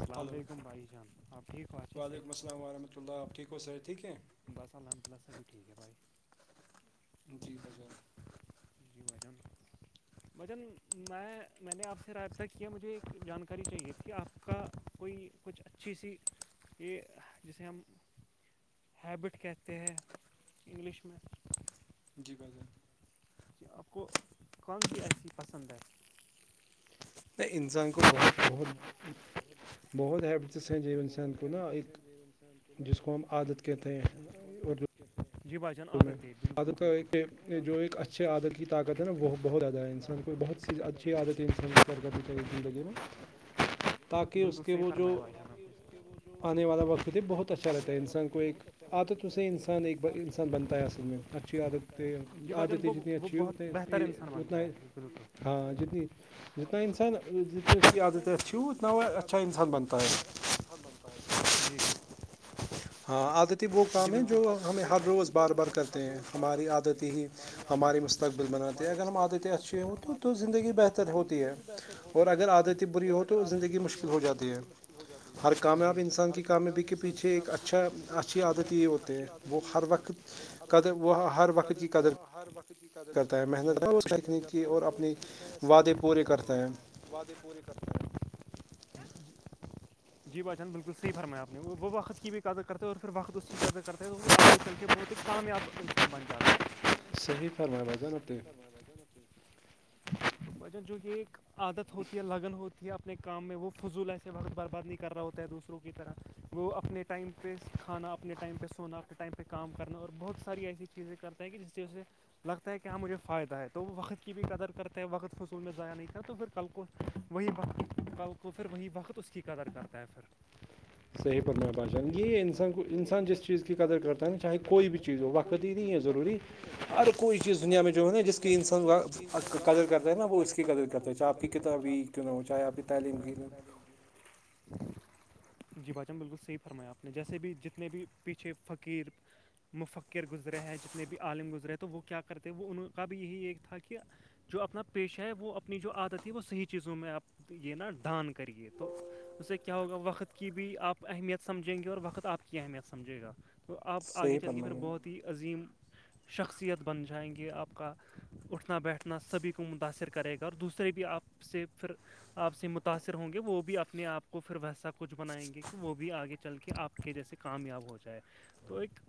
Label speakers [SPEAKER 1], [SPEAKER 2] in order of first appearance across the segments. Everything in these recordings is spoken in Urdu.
[SPEAKER 1] السلام
[SPEAKER 2] ہلو
[SPEAKER 1] علیکم بھائی جان آپ ٹھیک ہو اچھے سے
[SPEAKER 2] وعلیکم السلام ورحمۃ اللہ آپ ٹھیک کوو سا ٹھیک ہے
[SPEAKER 1] بس الونت پلس سے بھی ٹھیک ہے بھائی
[SPEAKER 2] جی بجے
[SPEAKER 1] یہ وجن بجن میں میں نے آپ سے رابطہ کیا مجھے ایک جانکاری چاہیے تھی آپ کا کوئی کچھ اچھی سی یہ جسے ہم ہیبٹ کہتے ہیں انگلش میں
[SPEAKER 2] جی بضر
[SPEAKER 1] کہ آپ کو کون سی ایسی پسند ہے
[SPEAKER 2] نہیں انسان کو بہت
[SPEAKER 1] انسان کو بہت بہت
[SPEAKER 2] بہت بہت ہی انسان
[SPEAKER 1] بہت
[SPEAKER 2] کو نا
[SPEAKER 1] ہیبٹس ہیں
[SPEAKER 2] ایک
[SPEAKER 1] جو انسان نا
[SPEAKER 2] جس
[SPEAKER 1] ایک
[SPEAKER 2] کو ہم عادت کہتے
[SPEAKER 1] جس کو ہم
[SPEAKER 2] ہیںو
[SPEAKER 1] عادت جی بھائی جان عادت ہے بالکل
[SPEAKER 2] عادت
[SPEAKER 1] بالکل
[SPEAKER 2] کا جو
[SPEAKER 1] عادت کی
[SPEAKER 2] ایک
[SPEAKER 1] تو
[SPEAKER 2] اچھے عادت کی طاقت
[SPEAKER 1] جو
[SPEAKER 2] ہے نا
[SPEAKER 1] ایک
[SPEAKER 2] وہ
[SPEAKER 1] اچھے
[SPEAKER 2] بہت زیادہ
[SPEAKER 1] عادتیں
[SPEAKER 2] ہے
[SPEAKER 1] کی
[SPEAKER 2] انسان
[SPEAKER 1] طاقت
[SPEAKER 2] کو
[SPEAKER 1] نا وہ
[SPEAKER 2] بہت اچ
[SPEAKER 1] زیادہ ہے
[SPEAKER 2] عادت
[SPEAKER 1] انسان
[SPEAKER 2] انس
[SPEAKER 1] کو بہت
[SPEAKER 2] سفر
[SPEAKER 1] سی
[SPEAKER 2] کرنا
[SPEAKER 1] اچھی
[SPEAKER 2] چاہیے
[SPEAKER 1] عادتیں
[SPEAKER 2] زندگی
[SPEAKER 1] انسان کو کر کرنی چاہیے زندگی میں
[SPEAKER 2] تاکہ اس
[SPEAKER 1] بالکل
[SPEAKER 2] کے
[SPEAKER 1] صحیح
[SPEAKER 2] وہ جو
[SPEAKER 1] فرمایا بھائی جان آپ تاکہ نے اس کے وہ جو
[SPEAKER 2] آنے والا وقت تو بہت اچھا
[SPEAKER 1] آنے
[SPEAKER 2] رہتا ہے
[SPEAKER 1] والا وقت
[SPEAKER 2] انسان کو ایک
[SPEAKER 1] بہت اچھا رہتا ہے
[SPEAKER 2] عادت اسے
[SPEAKER 1] کو
[SPEAKER 2] انسان ایک
[SPEAKER 1] عادت سے
[SPEAKER 2] بنتا ہے
[SPEAKER 1] انسان
[SPEAKER 2] اصل میں
[SPEAKER 1] ایک
[SPEAKER 2] اچھی
[SPEAKER 1] انسان بنتا
[SPEAKER 2] عادت
[SPEAKER 1] ہے اصل میں جی بھائی جان
[SPEAKER 2] عادتیں
[SPEAKER 1] وہ
[SPEAKER 2] جتنی
[SPEAKER 1] وہ
[SPEAKER 2] اچھی ہو
[SPEAKER 1] بہت
[SPEAKER 2] اتنے
[SPEAKER 1] بہتر انسان
[SPEAKER 2] اتنا
[SPEAKER 1] بنتا
[SPEAKER 2] ہی
[SPEAKER 1] ہے بالکل
[SPEAKER 2] ہاں
[SPEAKER 1] اتنا
[SPEAKER 2] جتنی
[SPEAKER 1] ہاں
[SPEAKER 2] جتنا انسان
[SPEAKER 1] جتنی
[SPEAKER 2] جتنی
[SPEAKER 1] جتنا
[SPEAKER 2] کی
[SPEAKER 1] انسان
[SPEAKER 2] عادت ہے
[SPEAKER 1] جتنی
[SPEAKER 2] اھی
[SPEAKER 1] اس کی
[SPEAKER 2] اچھا
[SPEAKER 1] عادتیں
[SPEAKER 2] انسان
[SPEAKER 1] اچھی ہو
[SPEAKER 2] بنتا
[SPEAKER 1] اتنا وہ
[SPEAKER 2] ہے
[SPEAKER 1] اچھا انسب بنتا ہے جی
[SPEAKER 2] ہاں عادتی وہ کام ہے
[SPEAKER 1] ہاں
[SPEAKER 2] جو
[SPEAKER 1] عادتی
[SPEAKER 2] ہمیں
[SPEAKER 1] وہ
[SPEAKER 2] ہر
[SPEAKER 1] کام ہے
[SPEAKER 2] روز
[SPEAKER 1] جو
[SPEAKER 2] بار بار
[SPEAKER 1] ہمیں ہر
[SPEAKER 2] کرتے ہیں
[SPEAKER 1] روز بار بار
[SPEAKER 2] ہماری
[SPEAKER 1] کرتے
[SPEAKER 2] عادتی
[SPEAKER 1] ہیں
[SPEAKER 2] ہی ہماری
[SPEAKER 1] عادتیں ہی
[SPEAKER 2] مستقبل بناتے ہے
[SPEAKER 1] ہمارے
[SPEAKER 2] اگر ہم
[SPEAKER 1] مستقبل
[SPEAKER 2] عادتیں
[SPEAKER 1] بناتے
[SPEAKER 2] اچھی
[SPEAKER 1] ہیں اگر ہم
[SPEAKER 2] ہ تو
[SPEAKER 1] عادتیں اچھی
[SPEAKER 2] زندگی
[SPEAKER 1] ہوں تو
[SPEAKER 2] بہتر
[SPEAKER 1] تو
[SPEAKER 2] ہوتی ہے
[SPEAKER 1] زندگی بہتر ہوتی ہے اور اگر عادت بی ہو تو زندگی مشکل ہو جاتی ہے
[SPEAKER 2] ہر کامیاب
[SPEAKER 1] جی
[SPEAKER 2] انسان
[SPEAKER 1] ہر
[SPEAKER 2] کی کامیابی
[SPEAKER 1] کامیاب
[SPEAKER 2] کے
[SPEAKER 1] انسان کی
[SPEAKER 2] پیچھے ایک
[SPEAKER 1] کامیابی کے
[SPEAKER 2] اچھا اچھا
[SPEAKER 1] پیچھے ایک
[SPEAKER 2] اچھی
[SPEAKER 1] اچھا
[SPEAKER 2] عادت یہ ہوتے ہیں
[SPEAKER 1] اچھی عادت
[SPEAKER 2] وہ
[SPEAKER 1] یہ
[SPEAKER 2] ہر
[SPEAKER 1] ہوتی ہے
[SPEAKER 2] وقت
[SPEAKER 1] وہ ہر
[SPEAKER 2] قدر
[SPEAKER 1] وقت
[SPEAKER 2] وہ ہر وقت کی قدر
[SPEAKER 1] ہر بقت
[SPEAKER 2] کرتا ہے محنت کر اس تکنیکی
[SPEAKER 1] ہے
[SPEAKER 2] اور اپنی
[SPEAKER 1] روز کچھ نیا سیکھنے
[SPEAKER 2] وعدے
[SPEAKER 1] کی
[SPEAKER 2] پورے
[SPEAKER 1] اور
[SPEAKER 2] کرتے ہیں
[SPEAKER 1] اپنے وعدے پورے کرتے ہیں جی بائی جان بالکل صیح فرمیا آپ نے وہ وقت کی بھی قدت کرتے ہیں اورھر وقت اس کی قدت کرتے ہیں تو وہ آگے چل کے بہت کامیاب انسان بن جاتا ہے وہ تو بجن جو کہ ایک عادت ہوتی ہے لگن ہوتی تھی اپنے کام میں وہ فضول ایسے وقت برباد نہیں کر رہا ہوتا ہے دوسروں کی طرح وہ اپنے ٹائم پہ کھانا اپنے ٹائم پہ سونا اپنے ٹائم پہ کام کرنا اور بہت ساری ایسی چیزیں کرتے ہیں کہ جس سے لگتا ہے کہ ہاں مجھے فائد ہے تو وہ وقت کی بھی قدر کر کرتے ہے وقت فضول میں ضائع نہیں کر تو پھر کل کو وہی وقت کل کو پھر وہی وقت اس کی قدر کرتا ہے پھر
[SPEAKER 2] صحیح پرمان باداشان
[SPEAKER 1] صحیح
[SPEAKER 2] یہ
[SPEAKER 1] فرمایا بھائی
[SPEAKER 2] انسان کو
[SPEAKER 1] جان یہ
[SPEAKER 2] انسان جس
[SPEAKER 1] کو
[SPEAKER 2] چیز کی
[SPEAKER 1] انسان
[SPEAKER 2] قدر
[SPEAKER 1] جس
[SPEAKER 2] کرتا ہے
[SPEAKER 1] چیز
[SPEAKER 2] نا
[SPEAKER 1] کی
[SPEAKER 2] چاہے
[SPEAKER 1] قدر
[SPEAKER 2] کوئی
[SPEAKER 1] کرتا
[SPEAKER 2] بھی
[SPEAKER 1] ہے نا
[SPEAKER 2] چیز ہو
[SPEAKER 1] چاہے کوئی
[SPEAKER 2] وقت
[SPEAKER 1] بھی
[SPEAKER 2] ہی نہیں
[SPEAKER 1] چیز
[SPEAKER 2] ہے
[SPEAKER 1] ہو وقت
[SPEAKER 2] ضروری
[SPEAKER 1] ہی نہیں ہے
[SPEAKER 2] ہر
[SPEAKER 1] ضروری
[SPEAKER 2] کوئی چیز دنیا
[SPEAKER 1] ہر
[SPEAKER 2] میں جو
[SPEAKER 1] کوئی
[SPEAKER 2] ہے نا
[SPEAKER 1] چیز
[SPEAKER 2] جس
[SPEAKER 1] دنیا
[SPEAKER 2] کی
[SPEAKER 1] میں جو ہے
[SPEAKER 2] انسان
[SPEAKER 1] نا جس کی انسان
[SPEAKER 2] قدر کرتا ہے نا وہ اس کی
[SPEAKER 1] کرتا ہے
[SPEAKER 2] قدر
[SPEAKER 1] نا وہ
[SPEAKER 2] کرتے ہیں
[SPEAKER 1] اس
[SPEAKER 2] چاہ آپ کی
[SPEAKER 1] قدر کرتا
[SPEAKER 2] کتابی کیوں نہ ہو چاہے آپ کی تعلیم کی ہو
[SPEAKER 1] ھم جی بھ جان بالکل صحیح فرمایا آپ نے جیسے بھی جتنے بھی پیچھے فقیر مفکر گزرے ہیں جتنے بھی عالم گزرے تو وہ کیا کرتے وہ ان کا بھی یہی ایک تھا کہ جو اپنا پیشہ ہے وہ اپنی جو عادت ہے وہ صحیح چیزوں میں آپ یہ نا ڈان کرے تو اسے کیا ہوگا وقت کی بھی آپ اہمیت سمجھیں گے اور وقت آپ کی اہمیت سمجھے گا تو آپ آگے چل کے پھر بہت ہی عظیم شخصیت بن جائیں گے آپ کا اٹھنا بیٹھنا اپنا سبھی کو متاثر کرے گا اور دوسرے بھی آپ سے پھر آپ سے متاثر ہوں گے وہ بھی اپنے آپ کو پھر ویسا کچھ بنائیں گے کہ وہ بھی آگے چل کے آپ کے جیسے کامیاب ہو جائے تو ایک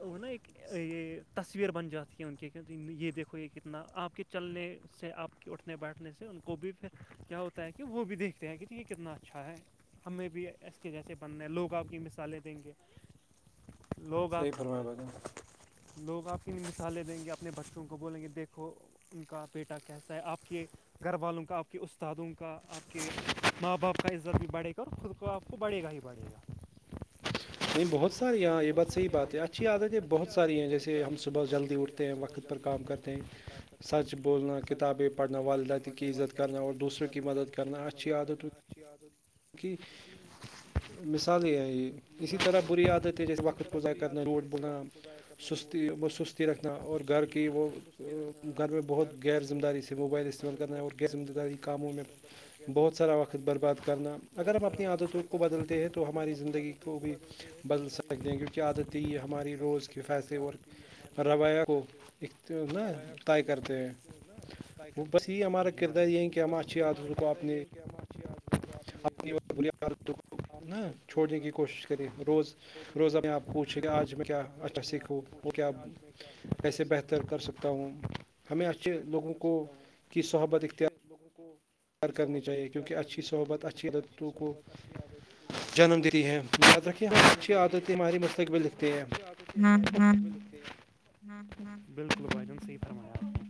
[SPEAKER 1] وہ نا ایک یہ تصویر بن جاتی ہے ان کے کیا یہ دیکھو یہ کتنا آپ کے چلنے سے آپ کے اٹھنے بیٹھنے سے ان کو بھی پھر کیا ہو ہوتا ہے کہ وہ بھی دیکھتے ہیں کہ یہ کتنا اچھا ہے ہمیں بھی اس کے جیسے بننے لوگ آپ کی مثالیں دیں گے لوگ آپ لوگ آپ کی مثالیں دیں گے اپنے بچے شم کو ب لیںگی دیکھ کو ان کا بیٹا کہتا ہے آپ کے گھر والوں کا آپ کے استادوں کا آپ کے ماں باپ کا عزت بھی بڑھے گا اور خود کو آپ کو بڑھے گا ہی بڑھے گا
[SPEAKER 2] نہیں بہت ساری
[SPEAKER 1] نہیں
[SPEAKER 2] یہاں یہ
[SPEAKER 1] بہت
[SPEAKER 2] بات صحی
[SPEAKER 1] ساری ہاں
[SPEAKER 2] بات
[SPEAKER 1] یہ
[SPEAKER 2] ہے اچھی
[SPEAKER 1] صحیح
[SPEAKER 2] دت
[SPEAKER 1] بات
[SPEAKER 2] ہے
[SPEAKER 1] اچھی
[SPEAKER 2] بہت
[SPEAKER 1] عادتیں
[SPEAKER 2] ساری ہیں
[SPEAKER 1] بہت
[SPEAKER 2] جیسے ہم
[SPEAKER 1] ساری
[SPEAKER 2] صبح
[SPEAKER 1] ہیں
[SPEAKER 2] جلدی
[SPEAKER 1] جیسے
[SPEAKER 2] اٹھتے
[SPEAKER 1] ہم
[SPEAKER 2] ہیں
[SPEAKER 1] صبح
[SPEAKER 2] وقت پر
[SPEAKER 1] جلدی
[SPEAKER 2] کام
[SPEAKER 1] اٹھتے
[SPEAKER 2] کرتے ہیں
[SPEAKER 1] وقت پر کام کرتے ہیں
[SPEAKER 2] سچ بولنا
[SPEAKER 1] سچ
[SPEAKER 2] کتابیں
[SPEAKER 1] بولنا
[SPEAKER 2] پڑھنا
[SPEAKER 1] کتابیں
[SPEAKER 2] والدہ
[SPEAKER 1] پڑھنا
[SPEAKER 2] کی عزت
[SPEAKER 1] والدہ
[SPEAKER 2] کرنا اور دوسروں کی مدد کر کرنا اھھی عادت
[SPEAKER 1] اچی آدت
[SPEAKER 2] کہ مثال یہ ہے یہ اسی
[SPEAKER 1] مثالیں
[SPEAKER 2] طرح
[SPEAKER 1] ہیں
[SPEAKER 2] بری عادت ہے جیسے وقت کو کرنا روڈ بولنا
[SPEAKER 1] خدا ایک کرنے دودور بول رہنا
[SPEAKER 2] سستی رکھنا اور گھر کی وہ
[SPEAKER 1] رکھنا
[SPEAKER 2] گھر میں
[SPEAKER 1] اور
[SPEAKER 2] بہت
[SPEAKER 1] کی
[SPEAKER 2] غیر ذمہ
[SPEAKER 1] وہ
[SPEAKER 2] داری سے موبائل
[SPEAKER 1] گھر
[SPEAKER 2] استعمال
[SPEAKER 1] میں
[SPEAKER 2] کرنا اور
[SPEAKER 1] بہت
[SPEAKER 2] کے
[SPEAKER 1] غیر
[SPEAKER 2] ذم دہ
[SPEAKER 1] ذمہ
[SPEAKER 2] داری
[SPEAKER 1] تھی
[SPEAKER 2] کاموں
[SPEAKER 1] موبائل
[SPEAKER 2] میں
[SPEAKER 1] استعمال کرنا اور غیر ذمہ
[SPEAKER 2] بہت سارا
[SPEAKER 1] داری
[SPEAKER 2] وقت
[SPEAKER 1] کاموں میں
[SPEAKER 2] برباد کرنا اگر
[SPEAKER 1] بہت
[SPEAKER 2] ہم
[SPEAKER 1] سارا
[SPEAKER 2] اپنی
[SPEAKER 1] وقت
[SPEAKER 2] عادتوں کو
[SPEAKER 1] برباد کرنا
[SPEAKER 2] بدلتے ہیں تو
[SPEAKER 1] اگر ہم
[SPEAKER 2] ہماری
[SPEAKER 1] اپنی
[SPEAKER 2] زندگی
[SPEAKER 1] عادتوں
[SPEAKER 2] کو بھی
[SPEAKER 1] بدلتے ہیں تو
[SPEAKER 2] بدل
[SPEAKER 1] ہماری
[SPEAKER 2] سکتے ہیں کیونکہ
[SPEAKER 1] زندگی پوری
[SPEAKER 2] عادتیں یہ ہماراری
[SPEAKER 1] بدل
[SPEAKER 2] روز کے
[SPEAKER 1] سکتے ہیں کیونکہ
[SPEAKER 2] فیصلے اور روایا کو
[SPEAKER 1] بائی آ کو نا کرتے ہیں جی بھائی بس یہی ہمارے کردار یہ کیاما
[SPEAKER 2] آ
[SPEAKER 1] اپنی اور بری
[SPEAKER 2] چھوڑنے کی
[SPEAKER 1] عادتوں
[SPEAKER 2] کوشش کرے
[SPEAKER 1] کو نا
[SPEAKER 2] روز
[SPEAKER 1] چھوڑنے کی
[SPEAKER 2] روزہ میں
[SPEAKER 1] کوشش
[SPEAKER 2] آپ
[SPEAKER 1] کریں
[SPEAKER 2] پوچھیں کہ آج میں
[SPEAKER 1] روز
[SPEAKER 2] کیا
[SPEAKER 1] روز
[SPEAKER 2] اچھا
[SPEAKER 1] اپنے آپ
[SPEAKER 2] سیکھوں
[SPEAKER 1] کو
[SPEAKER 2] وہ
[SPEAKER 1] پوچھیں
[SPEAKER 2] کیا
[SPEAKER 1] کہ آج میں کیا اچھا سیکھ
[SPEAKER 2] تر کر سکتا ہوں ہمیں اچھے لوگوں کو کی صحبت اختیار
[SPEAKER 1] بگو کو کی
[SPEAKER 2] کرنی
[SPEAKER 1] صحبت
[SPEAKER 2] چاہیے
[SPEAKER 1] اختیار
[SPEAKER 2] کیونکہ اچھی
[SPEAKER 1] کرنی چاہیے
[SPEAKER 2] صحبت
[SPEAKER 1] کیونکہ اچھی
[SPEAKER 2] اچھیدتوں کو
[SPEAKER 1] صحبت اچھی عادتوں کو
[SPEAKER 2] جنم دیتی ہے رے ہم
[SPEAKER 1] جنم
[SPEAKER 2] اچھی
[SPEAKER 1] دیتی ہے
[SPEAKER 2] عادت ماہاری
[SPEAKER 1] یاد
[SPEAKER 2] مستقبل
[SPEAKER 1] رکھیے ہمیں
[SPEAKER 2] لکھتے
[SPEAKER 1] اچھی عادتیں
[SPEAKER 2] ہیں
[SPEAKER 1] ہمارے مستقبل بالکل بھائی جان صحیح فرمایا آپ نے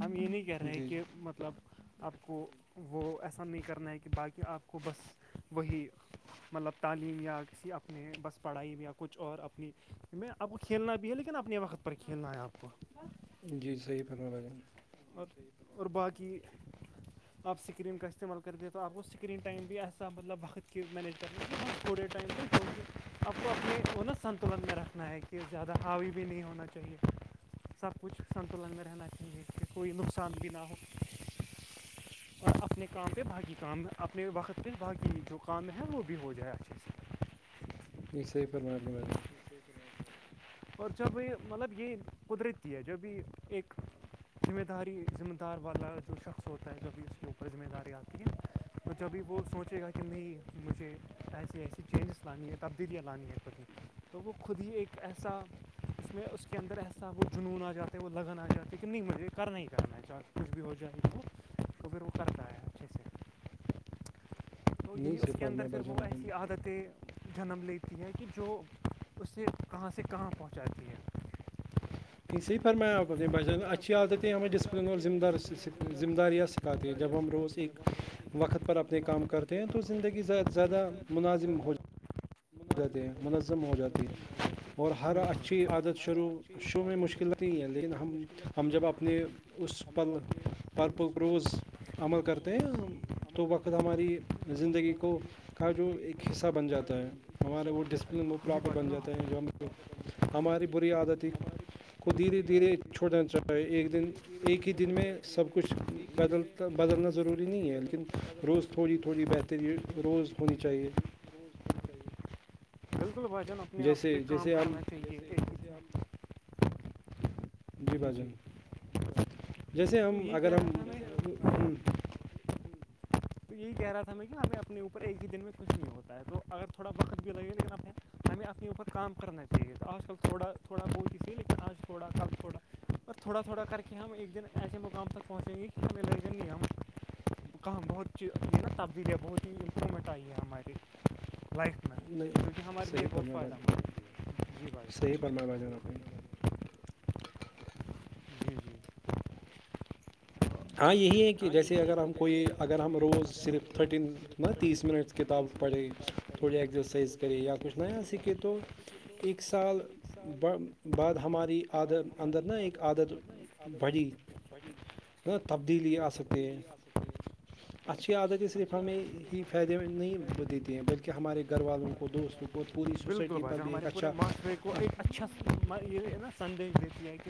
[SPEAKER 1] ہم یہ نہیں کہہ رہے کہ مطلب آپ کو وہ ایسا نہیں کرنا ہے کہ باقی آپ کو بس وہی مطلب تعلیم یا کسی اپنے بس پڑھائی میں یا کچھ اور اپنی میں آپ کو کھیلنا بھی ہے لیکن اپنے وقت پر کھیلنا ہے آپ کو
[SPEAKER 2] جی صحیح
[SPEAKER 1] اور اور باقی آپ اسکرین کا استعمال کرتے ہیں تو آپ کو اسکرین ٹائم بھی ایسا مطلب وقت کہ مینج کرنا یہ بس تھوڑے ٹائم تک جو کہ آپ کو اپنے انت سنتولن میں رکھنا ہے کہ زیادہ حاوی بھی نہیں ہونا چاہیے سب کچھ سنتوں لگ میں رہنا چاہیے کہ کوئی نقصان بھی نہ ہو اور اپنے کام پہ باقی کام اپنے وقت پہ باقی جو کام ہے وہ بھی ہو جائے اچھے سے
[SPEAKER 2] یہ صحی پرمائ
[SPEAKER 1] جیک اور جب مطلب یہ قدرتی ہے جو بھی ایک ذمہ داری ذمہ دار والا جو شخص ہوتا ہے جوب بھیھی اس کے اوپر ذمہ داری آتی ہے تو جبھی وہ سوچے گا کہ نہیں مجھے ایسی ایسی چینجز لانی ہے تبدیلیاں لانی ہیں خود میں تو وہ خود ہی ایک ایسا اس میںت اس کے اندر احسا وہ جنون آ جاتے ہیں وہ لگن آ جاتے ہیں کہ نہیں مجے کرنا ہی کرنا ہے چاہتے کچھ بھی ہو جائے تو تو پھر وہ کرتا ہے اچھے سے تو یہی اس کے اندر پھر وہ ایسی عادتیں جنم لیتی ہے کہ جو اسے کہاں سے کہاں پہنچاتی ہے [unintelligible]
[SPEAKER 2] صحی فرم
[SPEAKER 1] یہ
[SPEAKER 2] آ
[SPEAKER 1] فرمایا آپ
[SPEAKER 2] اچھی
[SPEAKER 1] نے بھائی جان
[SPEAKER 2] عادتیں ہمیں
[SPEAKER 1] اچھی
[SPEAKER 2] ڈسپلن اور
[SPEAKER 1] عادتیں
[SPEAKER 2] ذمہ
[SPEAKER 1] ہمیں
[SPEAKER 2] دار
[SPEAKER 1] ڈسپلن اور دار
[SPEAKER 2] ذمہ داری یا
[SPEAKER 1] ذمہ
[SPEAKER 2] آتے ہیں
[SPEAKER 1] داریاں
[SPEAKER 2] جب ہم روز
[SPEAKER 1] سکھاتی ہیں
[SPEAKER 2] ایک
[SPEAKER 1] جب ہم روز ایک
[SPEAKER 2] وقت پر اپنے کام
[SPEAKER 1] وقت پر
[SPEAKER 2] کرتے
[SPEAKER 1] اپنے
[SPEAKER 2] ہیں تو
[SPEAKER 1] کام کرتے
[SPEAKER 2] زندگی
[SPEAKER 1] ہیں تو
[SPEAKER 2] زیادہ
[SPEAKER 1] زندگی
[SPEAKER 2] منازم ہو
[SPEAKER 1] زیادہ
[SPEAKER 2] جائے جاتے
[SPEAKER 1] مناظم
[SPEAKER 2] ہیں
[SPEAKER 1] ہو
[SPEAKER 2] منظم ہو جاتی
[SPEAKER 1] منظم ہو
[SPEAKER 2] ہیں
[SPEAKER 1] جاتی
[SPEAKER 2] اور
[SPEAKER 1] ہیں
[SPEAKER 2] ہر اچھ ای
[SPEAKER 1] بالکل اور
[SPEAKER 2] عادت
[SPEAKER 1] ہر
[SPEAKER 2] شروع
[SPEAKER 1] اچھی
[SPEAKER 2] شروع میں
[SPEAKER 1] عادت
[SPEAKER 2] مشکل ہو ہیں لیکن
[SPEAKER 1] شروع میں
[SPEAKER 2] ہم
[SPEAKER 1] مشکل لگتی
[SPEAKER 2] ہم جب
[SPEAKER 1] ہے
[SPEAKER 2] اپنے
[SPEAKER 1] لیکن
[SPEAKER 2] اس
[SPEAKER 1] ہم ہم
[SPEAKER 2] پل
[SPEAKER 1] جب اپنے
[SPEAKER 2] پر پ
[SPEAKER 1] اس
[SPEAKER 2] روز
[SPEAKER 1] پر
[SPEAKER 2] عمل
[SPEAKER 1] پر
[SPEAKER 2] کرتے ہیں
[SPEAKER 1] پروز عمل
[SPEAKER 2] تو وقت
[SPEAKER 1] کرتے
[SPEAKER 2] ہماری
[SPEAKER 1] ہیں تو وقت
[SPEAKER 2] زندگی کو
[SPEAKER 1] ہماری
[SPEAKER 2] کا جو
[SPEAKER 1] زندگی
[SPEAKER 2] ایک
[SPEAKER 1] کو
[SPEAKER 2] حصہ بن
[SPEAKER 1] کا
[SPEAKER 2] جاتا
[SPEAKER 1] جو
[SPEAKER 2] ہے
[SPEAKER 1] ایک
[SPEAKER 2] ہمارا
[SPEAKER 1] حصہ
[SPEAKER 2] وہ
[SPEAKER 1] بن جاتا
[SPEAKER 2] ڈسپلن وہ
[SPEAKER 1] ہے جی
[SPEAKER 2] پراپر
[SPEAKER 1] بھائی
[SPEAKER 2] بن
[SPEAKER 1] جان
[SPEAKER 2] جاتا ہے جو ہم کو
[SPEAKER 1] پراپر بن جاتا ہے کہ
[SPEAKER 2] ہماری بری
[SPEAKER 1] ہم-
[SPEAKER 2] عادت ہی
[SPEAKER 1] ہماری
[SPEAKER 2] کو دھیرے
[SPEAKER 1] بری
[SPEAKER 2] دھیرے
[SPEAKER 1] عادت ہی
[SPEAKER 2] چھوڑنا چاہے
[SPEAKER 1] کو
[SPEAKER 2] ایک دن
[SPEAKER 1] دھیرے دھیرے
[SPEAKER 2] ایک ہی
[SPEAKER 1] چھوڑا
[SPEAKER 2] دن میں
[SPEAKER 1] جائے ایک
[SPEAKER 2] سب
[SPEAKER 1] دن
[SPEAKER 2] کچھ
[SPEAKER 1] ایک ہی دن میں
[SPEAKER 2] بدلتا
[SPEAKER 1] سب
[SPEAKER 2] بدلنا
[SPEAKER 1] کچھ
[SPEAKER 2] ضروری نہیں ہے
[SPEAKER 1] بدل
[SPEAKER 2] لیکن
[SPEAKER 1] بدلنا
[SPEAKER 2] روز
[SPEAKER 1] ضروری
[SPEAKER 2] تھوڑی
[SPEAKER 1] نہیں ہے
[SPEAKER 2] تھوڑی
[SPEAKER 1] لیکن
[SPEAKER 2] بہتری روز
[SPEAKER 1] تھوڑی
[SPEAKER 2] ہونی
[SPEAKER 1] تھوڑی
[SPEAKER 2] چاہیے
[SPEAKER 1] بہتری روز ہونی چاہیے بالکل بھشن اپنے آپ پہ کام کرنا چاہیے
[SPEAKER 2] جی بجن جیسے
[SPEAKER 1] تو
[SPEAKER 2] ہم
[SPEAKER 1] یہی
[SPEAKER 2] اگر
[SPEAKER 1] کہہ
[SPEAKER 2] ہم
[SPEAKER 1] رہا تھا میں جیسے
[SPEAKER 2] ہ
[SPEAKER 1] [unintelligible] تو یہی کہہ رہا تھا میں کہ اگر اپنے اوپر ایک ہی دن میں کچھ نہیں ہوتا ہے تو اگر تھوڑا بقت بھی لگے گا یہاں پھر ہمیں اپنے اوپرم کرنا چاہیے تو آج کل تھوڑا تھوڑا بہت ہی چیے لیکن آج تھوڑا کل تھوڑا اور تھوڑا تھوڑا کر کے ہم ایک دن ایسے مقام تک پہنچیں گے کہ ہمیں لڑ جائیں گے ہم کہاں بہت چی جو نا تبدیلیاں بہت ہیی امپرومنٹ آئی ہے ہماری لائف کیونکہ ہمارے لیے بہت فائدہ مند ہوتی ہے جی بھائی
[SPEAKER 2] [unintelligible]
[SPEAKER 1] صحیح
[SPEAKER 2] ا
[SPEAKER 1] بولنا بھائی جی جی
[SPEAKER 2] ہاں یہی ہے کہ
[SPEAKER 1] ہاں یہی
[SPEAKER 2] جیسے
[SPEAKER 1] ہے
[SPEAKER 2] اگر
[SPEAKER 1] کہ
[SPEAKER 2] ہم کوئی
[SPEAKER 1] جیسے
[SPEAKER 2] اگر ہم
[SPEAKER 1] کوئی
[SPEAKER 2] روز
[SPEAKER 1] اگر ہم
[SPEAKER 2] صرف
[SPEAKER 1] روز
[SPEAKER 2] تھرٹین
[SPEAKER 1] صرف
[SPEAKER 2] نہ
[SPEAKER 1] تھرٹین
[SPEAKER 2] تیس منٹ
[SPEAKER 1] یا
[SPEAKER 2] کتاب
[SPEAKER 1] تیس
[SPEAKER 2] پڑھے
[SPEAKER 1] منٹ کتاب
[SPEAKER 2] تھوڑی
[SPEAKER 1] پڑھیں
[SPEAKER 2] ایکزرسائز
[SPEAKER 1] تھوڑی
[SPEAKER 2] کرے یا
[SPEAKER 1] ایکسرسائز
[SPEAKER 2] کچھ نیا
[SPEAKER 1] کریں یا
[SPEAKER 2] سیکھے
[SPEAKER 1] کچھ
[SPEAKER 2] تو
[SPEAKER 1] نیا سیکھیں
[SPEAKER 2] ایک سال
[SPEAKER 1] تو ایک سال
[SPEAKER 2] بعد ہماری
[SPEAKER 1] بعد
[SPEAKER 2] عادت اندر
[SPEAKER 1] ہماری
[SPEAKER 2] نا ایک عادت
[SPEAKER 1] اندر نا ایک
[SPEAKER 2] بڑھی
[SPEAKER 1] [unintelligible]
[SPEAKER 2] ن تبدیلی آ سکتے ہیں
[SPEAKER 1] تبدیلی آ سکتی ہے
[SPEAKER 2] اچھی عادتیں صرف
[SPEAKER 1] اچھی
[SPEAKER 2] ہمیں
[SPEAKER 1] عادتیں صرف
[SPEAKER 2] ہی
[SPEAKER 1] ہمیں
[SPEAKER 2] فائدے
[SPEAKER 1] بھی
[SPEAKER 2] نہیں
[SPEAKER 1] فائدے
[SPEAKER 2] دیتی
[SPEAKER 1] مند
[SPEAKER 2] ہیں
[SPEAKER 1] نہیں
[SPEAKER 2] بلکہ
[SPEAKER 1] کو دیتی
[SPEAKER 2] ہمارے
[SPEAKER 1] ہیں
[SPEAKER 2] گھر
[SPEAKER 1] بلکہ
[SPEAKER 2] والوں
[SPEAKER 1] ہمارے
[SPEAKER 2] کو
[SPEAKER 1] گھر
[SPEAKER 2] دوستوں
[SPEAKER 1] والوں
[SPEAKER 2] کو اور پوری
[SPEAKER 1] دوسروں
[SPEAKER 2] سوائٹی پ ب ایک اچھا
[SPEAKER 1] چس م یہ ن سندیش د دیتتی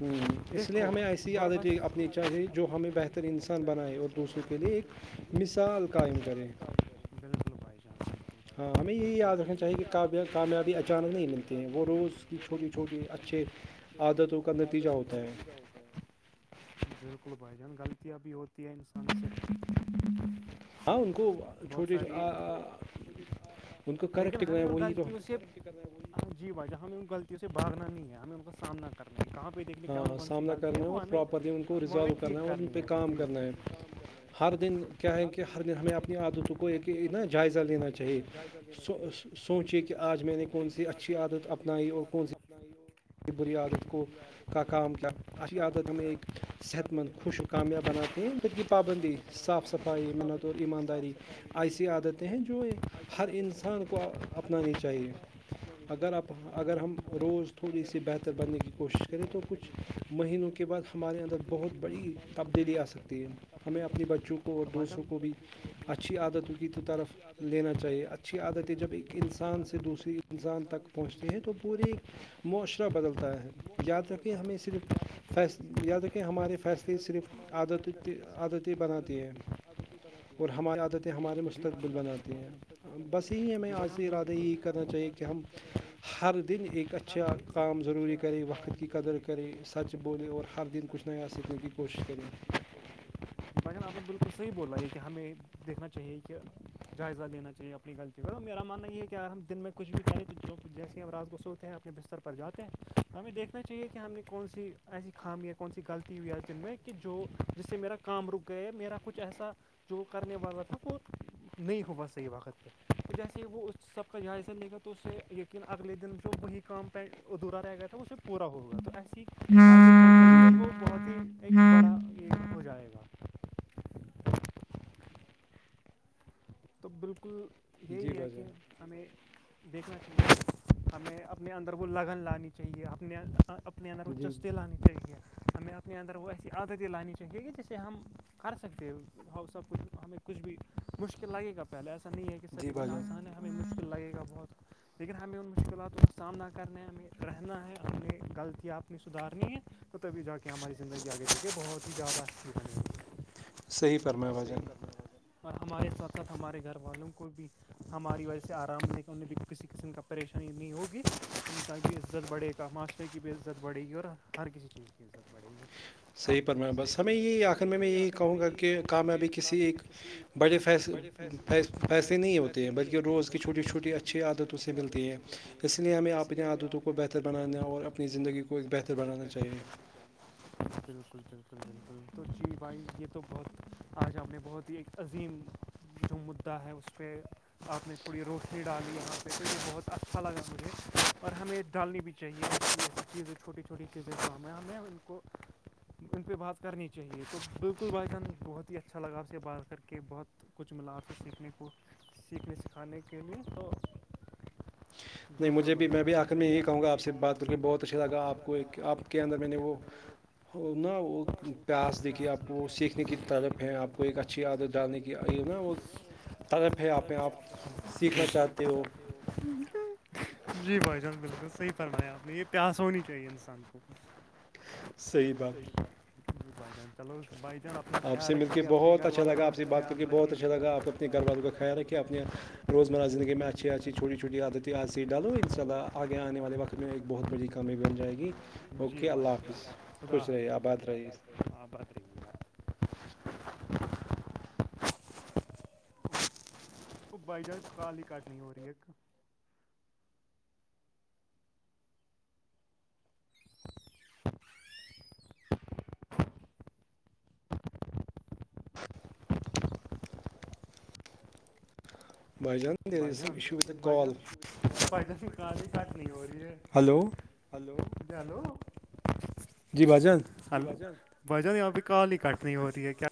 [SPEAKER 2] ہ اس لیے ہمیں ایسی
[SPEAKER 1] ہمیں
[SPEAKER 2] عادتیں
[SPEAKER 1] ایسی
[SPEAKER 2] اپنی
[SPEAKER 1] عادتیں
[SPEAKER 2] چاہیے جو
[SPEAKER 1] اپنی
[SPEAKER 2] ہمیں
[SPEAKER 1] چاہیے
[SPEAKER 2] بہتر
[SPEAKER 1] جو ہمیں
[SPEAKER 2] انسان
[SPEAKER 1] بہتر
[SPEAKER 2] بنائے اور
[SPEAKER 1] انسان
[SPEAKER 2] دوسروں کے
[SPEAKER 1] بنائے
[SPEAKER 2] لیے
[SPEAKER 1] اور
[SPEAKER 2] ایک
[SPEAKER 1] دوسروں کے لیے
[SPEAKER 2] مثال
[SPEAKER 1] ایک
[SPEAKER 2] قائم کریں
[SPEAKER 1] مثال قائم کرے [unintelligible]
[SPEAKER 2] ہاں ہمیں یہی
[SPEAKER 1] بالکل
[SPEAKER 2] یاد رکھنا
[SPEAKER 1] ہمیں یہ
[SPEAKER 2] چاہیے کہ
[SPEAKER 1] بھی یاد رکھنا چاہیے کہ
[SPEAKER 2] کامیابی
[SPEAKER 1] کابیا
[SPEAKER 2] اچانک نہیں
[SPEAKER 1] کامیابی
[SPEAKER 2] ملتی ہیں
[SPEAKER 1] اچانک
[SPEAKER 2] وہ
[SPEAKER 1] نہیں ملتی
[SPEAKER 2] روز
[SPEAKER 1] ہے
[SPEAKER 2] کی
[SPEAKER 1] وہ
[SPEAKER 2] چھوٹی
[SPEAKER 1] روز کی
[SPEAKER 2] چھوٹیے
[SPEAKER 1] چھوٹی
[SPEAKER 2] اچھے
[SPEAKER 1] چھوٹی اچھے
[SPEAKER 2] عادتوں کرنے
[SPEAKER 1] کا نتیجہ ہوتا ہے بالکل بھائی جان غلطیاں بھی ہوتی ہیں انسان سے
[SPEAKER 2] [unintelligible] ہاں ان کو
[SPEAKER 1] بہت ساری ہے لیکن ہمیں ان غلطیوں سے کر رہاں جی باجا ہمیں ان غلطوں سے باگنا نہیں ہے ہمیں ان کا سامنا کرنا ہے کہاں پہ دیکھ مر کون سی غلطی ہے وہ ہمیں وہ ہمیں ٹھیک کرنی ہے کام کرنا ہے
[SPEAKER 2] کیا ہے کہ ہر دن ہمیں
[SPEAKER 1] کیا ہے
[SPEAKER 2] اپنی
[SPEAKER 1] کہ
[SPEAKER 2] عادتوں
[SPEAKER 1] ہر
[SPEAKER 2] کو
[SPEAKER 1] ہمیں
[SPEAKER 2] ایک
[SPEAKER 1] اپنی
[SPEAKER 2] نا
[SPEAKER 1] عادتوں
[SPEAKER 2] جائزہ
[SPEAKER 1] کو ایک
[SPEAKER 2] لیناے
[SPEAKER 1] نا
[SPEAKER 2] چاہیے
[SPEAKER 1] جائزہ لینا چاہیے
[SPEAKER 2] سوچے کہ آج میں نے
[SPEAKER 1] سوچے
[SPEAKER 2] کون
[SPEAKER 1] کہ
[SPEAKER 2] سی
[SPEAKER 1] آج
[SPEAKER 2] اچھی
[SPEAKER 1] میں نے کون
[SPEAKER 2] عادت
[SPEAKER 1] سی
[SPEAKER 2] اپنائی
[SPEAKER 1] اچھی
[SPEAKER 2] اور کون سی
[SPEAKER 1] [unintelligible]
[SPEAKER 2] بری
[SPEAKER 1] کون
[SPEAKER 2] عادت
[SPEAKER 1] سی
[SPEAKER 2] کو
[SPEAKER 1] بری عادت
[SPEAKER 2] کا
[SPEAKER 1] کو
[SPEAKER 2] کام کیا
[SPEAKER 1] کا
[SPEAKER 2] ای
[SPEAKER 1] کام
[SPEAKER 2] عادت ہمیں
[SPEAKER 1] کیا
[SPEAKER 2] ایک
[SPEAKER 1] اچھی
[SPEAKER 2] صحت مند
[SPEAKER 1] عادتیں
[SPEAKER 2] خوش
[SPEAKER 1] ہمیں
[SPEAKER 2] کامیاب بناتے ہیں
[SPEAKER 1] صحت مند
[SPEAKER 2] جبک کی
[SPEAKER 1] خوش اور
[SPEAKER 2] پابندی
[SPEAKER 1] کامیاب بناتے
[SPEAKER 2] صاف
[SPEAKER 1] ہیں وقت
[SPEAKER 2] صفائی
[SPEAKER 1] کی
[SPEAKER 2] منت اور
[SPEAKER 1] پابندی صاف
[SPEAKER 2] ایمانداری
[SPEAKER 1] صفائی
[SPEAKER 2] ایسی
[SPEAKER 1] محنت اور
[SPEAKER 2] عادتیں ہیں
[SPEAKER 1] ایمانداری
[SPEAKER 2] جو یہ
[SPEAKER 1] ایسی
[SPEAKER 2] ہر
[SPEAKER 1] عادتیں ہیں
[SPEAKER 2] انسان
[SPEAKER 1] جو
[SPEAKER 2] کو
[SPEAKER 1] ہر
[SPEAKER 2] اپنانی
[SPEAKER 1] انسان
[SPEAKER 2] چاہیے
[SPEAKER 1] کو اپنانی
[SPEAKER 2] اگر آپ اگر
[SPEAKER 1] چاہیے
[SPEAKER 2] ہم روز
[SPEAKER 1] آپ
[SPEAKER 2] تھوڑی
[SPEAKER 1] اگر
[SPEAKER 2] سی
[SPEAKER 1] ہم
[SPEAKER 2] ب بہتر بننے
[SPEAKER 1] روز
[SPEAKER 2] کی
[SPEAKER 1] خود اس
[SPEAKER 2] کوشش
[SPEAKER 1] سے
[SPEAKER 2] کرے تو
[SPEAKER 1] بہتر
[SPEAKER 2] کچھ
[SPEAKER 1] بننے کی کوشش کریں
[SPEAKER 2] مہینوں
[SPEAKER 1] تو
[SPEAKER 2] کے
[SPEAKER 1] کچھ
[SPEAKER 2] بعد ہمارے اندر
[SPEAKER 1] مہینوں
[SPEAKER 2] بہت
[SPEAKER 1] کے بعد
[SPEAKER 2] بڑی
[SPEAKER 1] ہمارے اندر
[SPEAKER 2] تبدیلی آ
[SPEAKER 1] بہت
[SPEAKER 2] سکتی
[SPEAKER 1] بڑی
[SPEAKER 2] ہے ہمیں
[SPEAKER 1] تبدیلی آ
[SPEAKER 2] اپنے
[SPEAKER 1] سکتی
[SPEAKER 2] بچوں کو
[SPEAKER 1] ہے
[SPEAKER 2] اور
[SPEAKER 1] تو بھائی جان
[SPEAKER 2] دوسروں
[SPEAKER 1] اپنے
[SPEAKER 2] کو بھی
[SPEAKER 1] بچوں اور دوستوں
[SPEAKER 2] اچھی
[SPEAKER 1] کو
[SPEAKER 2] عادتوں کی
[SPEAKER 1] بھی
[SPEAKER 2] طرف
[SPEAKER 1] اچھی عادتوں کی
[SPEAKER 2] لینا چاہیے
[SPEAKER 1] طرف
[SPEAKER 2] اچھی عادت ہے
[SPEAKER 1] لینا
[SPEAKER 2] جب
[SPEAKER 1] چاہیے
[SPEAKER 2] ایک انسان
[SPEAKER 1] اچھی
[SPEAKER 2] سان سے
[SPEAKER 1] عادتیں جب
[SPEAKER 2] دوسری
[SPEAKER 1] ایک
[SPEAKER 2] انسان تک
[SPEAKER 1] سے
[SPEAKER 2] پہنچتے ہیں
[SPEAKER 1] دوسرے
[SPEAKER 2] تو
[SPEAKER 1] انسان
[SPEAKER 2] پورے
[SPEAKER 1] تک پہنچتی ہیں تو
[SPEAKER 2] موش
[SPEAKER 1] پورے
[SPEAKER 2] بدلتا ہے
[SPEAKER 1] معاشرہ
[SPEAKER 2] یاد رکیں
[SPEAKER 1] بدلتا
[SPEAKER 2] ہمیں
[SPEAKER 1] ہے
[SPEAKER 2] صرف فیص یا دیکھیں ہمارے فیصلے
[SPEAKER 1] یا تو پھر ہمیں یا تو کہ
[SPEAKER 2] صرف
[SPEAKER 1] ہمارے
[SPEAKER 2] عادت
[SPEAKER 1] فیصلے
[SPEAKER 2] عادتی
[SPEAKER 1] صرف عادت
[SPEAKER 2] بناتے ہیں
[SPEAKER 1] عادتیں بناتی
[SPEAKER 2] [inaudible] اور
[SPEAKER 1] ہیں
[SPEAKER 2] ہماری عادتیں ہمارے
[SPEAKER 1] اور جی ہماری
[SPEAKER 2] مستقبل
[SPEAKER 1] عادتیں
[SPEAKER 2] بناتے
[SPEAKER 1] ہمارے مستقبل
[SPEAKER 2] ہیں بس
[SPEAKER 1] بناتی
[SPEAKER 2] یہ
[SPEAKER 1] ہیں
[SPEAKER 2] ہمیں
[SPEAKER 1] جی بھائی
[SPEAKER 2] آج
[SPEAKER 1] جان
[SPEAKER 2] کے
[SPEAKER 1] بس
[SPEAKER 2] ارادے
[SPEAKER 1] بالکل
[SPEAKER 2] یہی
[SPEAKER 1] ہمیں
[SPEAKER 2] کرنا
[SPEAKER 1] آج سے
[SPEAKER 2] چاہیے
[SPEAKER 1] ارادہ
[SPEAKER 2] کہ ہم
[SPEAKER 1] یہی کرنا چاہیے کہ ہم
[SPEAKER 2] ہر دن ایک
[SPEAKER 1] ہر
[SPEAKER 2] اچھا
[SPEAKER 1] دن
[SPEAKER 2] کام
[SPEAKER 1] ایک
[SPEAKER 2] ضروری
[SPEAKER 1] اچھا
[SPEAKER 2] کرے وقت
[SPEAKER 1] کام
[SPEAKER 2] کی قدر
[SPEAKER 1] ضروری
[SPEAKER 2] کرے
[SPEAKER 1] وقت
[SPEAKER 2] سچ
[SPEAKER 1] کی
[SPEAKER 2] بولے
[SPEAKER 1] قدر
[SPEAKER 2] اور
[SPEAKER 1] کرے
[SPEAKER 2] ہر دن کچھ نیا سیکھنے کی کوشش کریں
[SPEAKER 1] لیکن آپ نے بالکل صحیح بولا یہ کہ ہمیں دیکھنا چاہیے کہ جائزہ لینا چاہیے اپنی غلطی ہے میرا ماننا یہ ہے کہ ہم دن میں کچھ بھی کریں جو جیسی ارض کو سوتے ہیں اپنے بستر پر جاتے ہیں ہمیں دیکھنا چاہیے کہ ہم نے کون سی ایسی خام یا کون سی غلطی ہو یا میں کہ جو جس سے میرا کام رک گئے میرا کچھ ایسا جو کرنے والا تھا وہ نہیں ہوگا صحیح وقت پہ تو جیسے وہ اس سب کا جائزہ لے گا تو اس سے یقینا اگلے دن جو وہی کام پین ادھورا رہ گیا تھا اسے پورا ہو گایا تو ایسے ہی آگے چل چل کے
[SPEAKER 2] ہاں
[SPEAKER 1] وہ بہت ہی ایک
[SPEAKER 2] ہاں
[SPEAKER 1] بڑا یہ ہو جائے گا تو بالکل یہی ہے کہ ہمیں دیکھنا چاہیے ہمیں اپنے اندر وہ لگن لانی چاہیے اپنے اپنے اندر چسی لانی چاہیے ہمیں اپنے اندر وہ ایسی عادتیں لانی چاہیے کہی جسے ہم کر سکتے ہو اور سب کچھ ہمیں کچھ بھی مشکل لگے گا پہلے ایسا نہیں ہے کہ سبھی کچھ آسان ہے ہمیں مشکل لگے گا بہت لیکن ہمیں ان مشکلاتوں کا سامنا کرنا ہے ہمیں رہنا ہے ہمیں غلطیاں اپنی سدھارنی ہے تو تبھی جا کے ہماری زندگی آگے چل کے بہت ہی زیادہ اچھی بنے گی
[SPEAKER 2] صحی فرما ہوا
[SPEAKER 1] صحیح
[SPEAKER 2] جان [unintelligible]
[SPEAKER 1] فرمایا بھائی جان اور ہمارے ساتھ ساتھ ہمارے گھر والوں کو بھی ہماری وجہ سے آرام دے کے انہیں بھی کسی قسم کا پریشانی نہیں ہوگی ان کا بھی عزت بڑھے گا معاشرے کی بھی عزت بڑھے گی اور ہر کسی چیز کی عزت بڑھے گی
[SPEAKER 2] صحی پرم
[SPEAKER 1] صحیح
[SPEAKER 2] بس
[SPEAKER 1] پر
[SPEAKER 2] ہمیں
[SPEAKER 1] میں
[SPEAKER 2] یہی
[SPEAKER 1] بس ہمیں
[SPEAKER 2] آخر میں میں یہی
[SPEAKER 1] آخر
[SPEAKER 2] کہوں
[SPEAKER 1] میں
[SPEAKER 2] گا
[SPEAKER 1] یہی
[SPEAKER 2] کہ
[SPEAKER 1] کہوں گا کہ
[SPEAKER 2] کامیابی کسی ایک
[SPEAKER 1] کامیابی کسی
[SPEAKER 2] بڑے
[SPEAKER 1] بڑے فیص
[SPEAKER 2] فیصلے نہیں ہوتے ہیں بلکہ روز کی چھوٹی چھوٹی اچ اچھی عادتوں سے ملتی ہے اس لیے ہمیں اپنی عادتوں کو بہتر بنانا اور اپنی زندگی کو کو ایک بہتر بنانا چاہیے
[SPEAKER 1] بالکل بالکل بالکل تو جی بھائی یہ تو بہت آج ہم نے بہت ہی ایک عظیم جو مدعا ہے اس پہ آپ نے تھوڑی روشنی ڈالی یہاں پہ تو یہ بہت اچھا لگا مجھے اور ہمیں ڈالنی بھی چاہیے ایسی ایسی چیزیں چھوٹی چھوٹی چیزیں جو ہمیں ہمیں ان کو ان پہ بات کرنی چاہیے تو بالکل بان نہیں بہت ہی اچھا لگا آپ سے بات کر کے بہت کچھ ملا آپ سے سیکھنے کو سیکھنے سکھانے کے لیے تو بالکل بھائی مجھے بھی میں بھی آخر میں یہی کہوں گا آپ سے بات کر کے بہت اچھا لگا آپ کو آپ کے اندر میں نے وہ
[SPEAKER 2] نا وہ پیاس دیکھیے آپ کو سیکھنے کی طرب ہیں آپ کو ایک اچھی عادت ڈالنے کی نا وہ طلف ہے آپ میں آپ سیکھنا چاہتے ہو
[SPEAKER 1] ج [inaudible] جی بھائی جان بالکل صحیح فرمایا آپ نے یہ پیاس ہونی چاہیے انسان کو صحیح بائی چانس چلو بائی چانس
[SPEAKER 2] آپ سے مل کے بہت اچھا لگا آپ سے بات کر کے بہت اچھا لگا آپ اپنے گھر والوں کا خیال رکھے اپنے روزمرہ زندگی میں اچھی اچھی چھوٹی چھوٹی عادتتی آ سسی ڈال ان شاء اللہ آگے آنے والےقت پ میں ایک بہت بڑی کامیابی بن جائے گی اوکے اللہ حافظ
[SPEAKER 1] خدا حا آباد رہی ہوں آباد رہیے آپ وہ بائی چانس کال ہی کٹ نہیں ہو رہی ایک [inaudible] بائی جان بائی جان ب جان کی کٹ نہیں ہو رہی ہے [inaudible]
[SPEAKER 2] ہلو
[SPEAKER 1] ہلو کلو [inaudible]
[SPEAKER 2] جی بجان
[SPEAKER 1] ہلو وجہ نہیں آپ بھی کال ہی کٹ نہیں ہو رہی ہے کیا